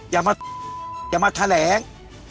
อย่ามาอย่ามาแถลง